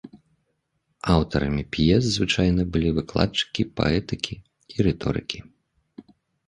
Аўтарамі п'ес звычайна былі выкладчыкі паэтыкі і рыторыкі.